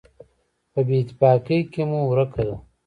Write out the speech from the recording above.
په بېاتفاقۍ کې مو ورکه ده.